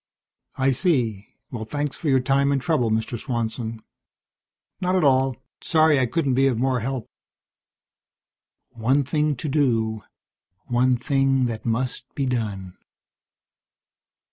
"I see. Well, thanks for your time and trouble, Mr. Swanson." "Not at all. Sorry I couldn't be of more help." One thing to do. One thing that must be done.